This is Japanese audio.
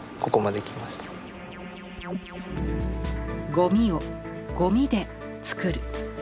「ゴミ」を「ゴミ」で作る。